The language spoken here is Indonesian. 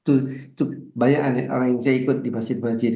itu banyak orang indonesia ikut di masjid masjid